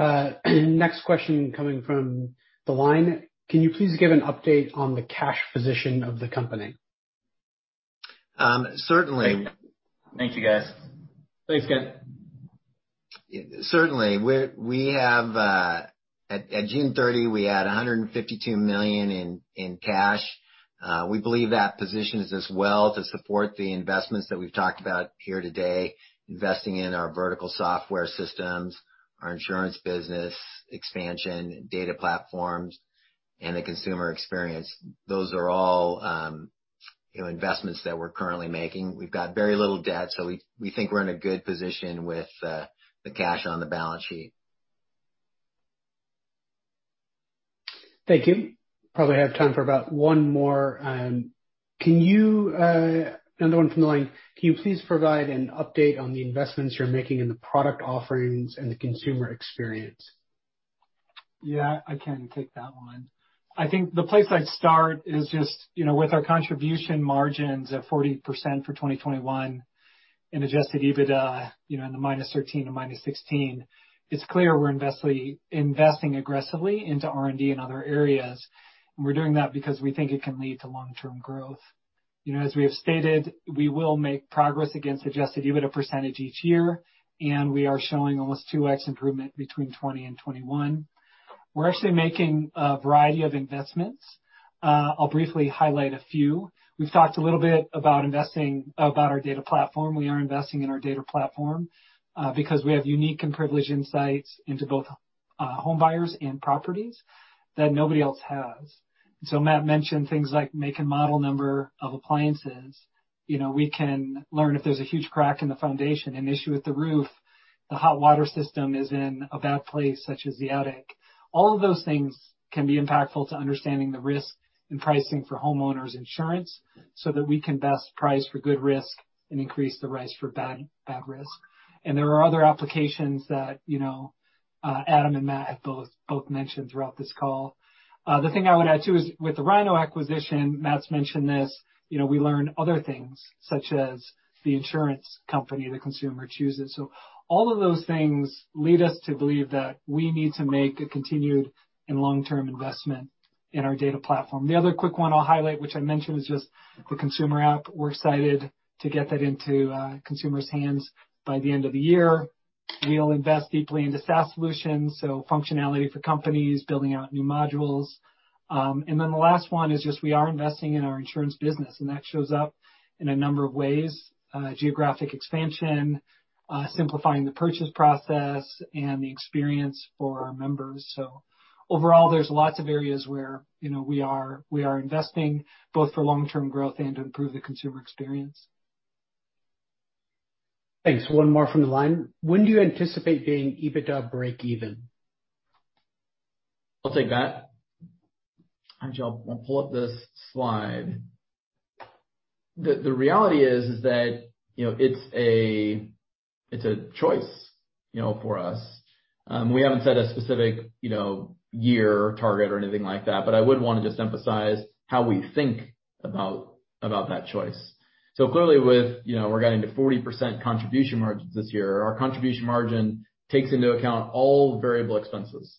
Next question coming from the line. Can you please give an update on the cash position of the company? Certainly. Thank you, guys. Thanks, Ken. Certainly. At June 30, we had $152 million in cash. We believe that positions us well to support the investments that we've talked about here today, investing in our vertical software systems, our insurance business expansion, data platforms, and the consumer experience. Those are all investments that we're currently making. We've got very little debt, so we think we're in a good position with the cash on the balance sheet. Thank you. Probably have time for about one more. Another one from the line. Can you please provide an update on the investments you're making in the product offerings and the consumer experience? Yeah, I can take that one. I think the place I'd start is just with our contribution margins of 40% for 2021 and Adjusted EBITDA in the -13%--16%. It's clear we're investing aggressively into R&D and other areas. We're doing that because we think it can lead to long-term growth. As we have stated, we will make progress against Adjusted EBITDA percentage each year. We are showing almost 2x improvement between 2020 and 2021. We're actually making a variety of investments. I'll briefly highlight a few. We've talked a little bit about investing about our data platform. We are investing in our data platform because we have unique and privileged insights into both home buyers and properties that nobody else has. Matt mentioned things like make and model number of appliances. We can learn if there's a huge crack in the foundation, an issue with the roof, the hot water system is in a bad place, such as the attic. All of those things can be impactful to understanding the risk in pricing for homeowners insurance so that we can best price for good risk and increase the price for bad risk. There are other applications that Adam and Matt have both mentioned throughout this call. The thing I would add, too, is with the Rynoh acquisition, Matt's mentioned this, we learn other things, such as the insurance company the consumer chooses. All of those things lead us to believe that we need to make a continued and long-term investment in our data platform. The other quick one I'll highlight, which I mentioned, is just the consumer app. We're excited to get that into consumers' hands by the end of the year. We'll invest deeply into SaaS solutions, so functionality for companies, building out new modules. The last one is just we are investing in our insurance business, and that shows up in a number of ways: geographic expansion, simplifying the purchase process, and the experience for our members. Overall, there's lots of areas where we are investing both for long-term growth and to improve the consumer experience. Thanks. One more from the line. When do you anticipate being EBITDA break even? I'll take that. Actually, I'll pull up this slide. The reality is that it's a choice for us. We haven't set a specific year target or anything like that, but I would want to just emphasize how we think about that choice. Clearly we're getting to 40% contribution margins this year. Our contribution margin takes into account all variable expenses.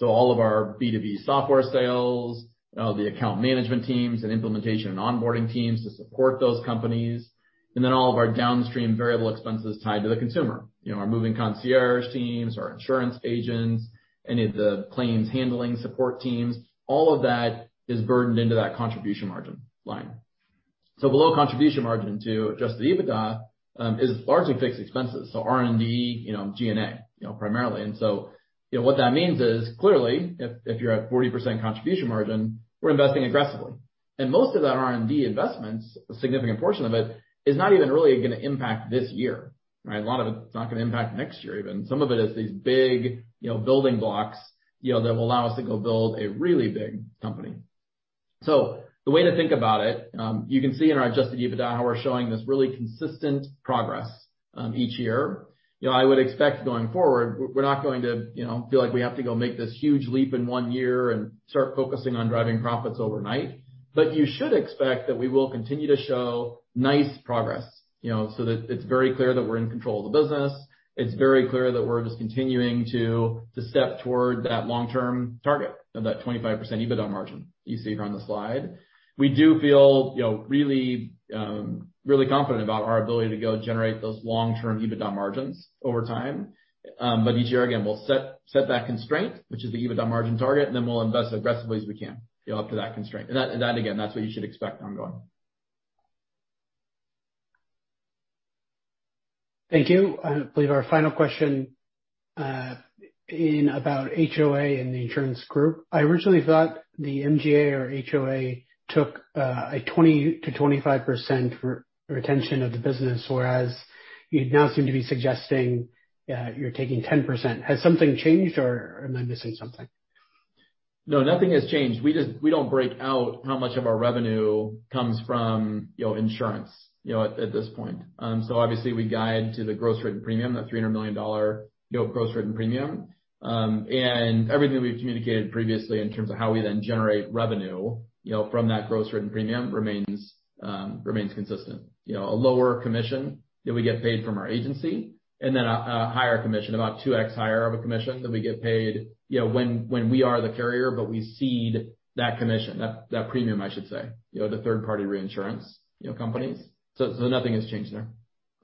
All of our B2B software sales, all the account management teams and implementation and onboarding teams to support those companies, and then all of our downstream variable expenses tied to the consumer. Our moving concierge teams, our insurance agents, any of the claims handling support teams, all of that is burdened into that contribution margin line. Below contribution margin to Adjusted EBITDA is largely fixed expenses. R&D, G&A, primarily. What that means is, clearly, if you're at 40% contribution margin, we're investing aggressively. Most of that R&D investments, a significant portion of it, is not even really going to impact this year. Right? A lot of it is not going to impact next year, even. Some of it is these big building blocks that will allow us to go build a really big company. The way to think about it, you can see in our Adjusted EBITDA how we're showing this really consistent progress each year. I would expect going forward, we're not going to feel like we have to go make this huge leap in one year and start focusing on driving profits overnight. You should expect that we will continue to show nice progress. That it's very clear that we're in control of the business. It's very clear that we're just continuing to step toward that long-term target of that 25% EBITDA margin you see here on the slide. We do feel really confident about our ability to go generate those long-term EBITDA margins over time. Each year, again, we'll set that constraint, which is the EBITDA margin target, and then we'll invest as aggressively as we can up to that constraint. That, again, that's what you should expect ongoing. Thank you. I believe our final question in about HOA and the insurance group. I originally thought the MGA or HOA took a 20%-25% retention of the business, whereas you now seem to be suggesting you're taking 10%. Has something changed, or am I missing something? No, nothing has changed. We don't break out how much of our revenue comes from insurance at this point. Obviously, we guide to the gross written premium, that $300 million gross written premium. Everything we've communicated previously in terms of how we then generate revenue from that gross written premium remains consistent. A lower commission that we get paid from our agency, and then a higher commission, about 2X higher of a commission that we get paid when we are the carrier, but we cede that commission, that premium, I should say, the third-party reinsurance companies. Nothing has changed there.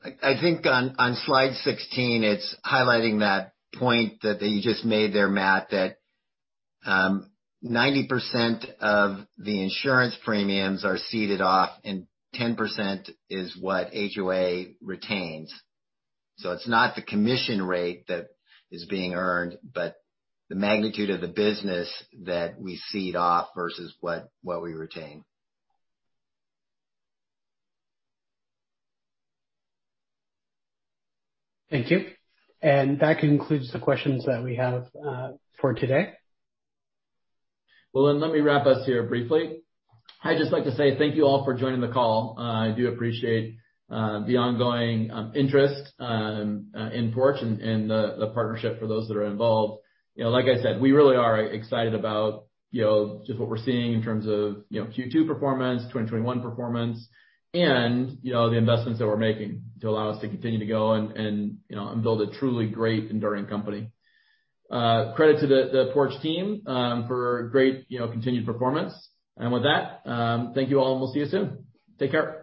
I think on Slide 16, it's highlighting that point that you just made there, Matt, that 90% of the insurance premiums are ceded off, and 10% is what HOA retains. It's not the commission rate that is being earned, but the magnitude of the business that we cede off versus what we retain. Thank you. That concludes the questions that we have for today. Let me wrap us here briefly. I'd just like to say thank you all for joining the call. I do appreciate the ongoing interest in Porch and the partnership for those that are involved. Like I said, we really are excited about just what we're seeing in terms of Q2 performance, 2021 performance, and the investments that we're making to allow us to continue to go and build a truly great enduring company. Credit to the Porch team for great continued performance. With that, thank you all, and we'll see you soon. Take care.